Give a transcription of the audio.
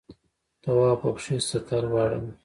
تواب په پښې سطل واړاوه.